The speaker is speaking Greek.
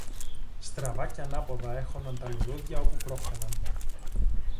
Στραβά και ανάποδα έχωναν τα λουλούδια όπου πρόφθαιναν.